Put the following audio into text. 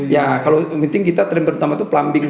ya kalau yang penting kita terima pertama itu plumbing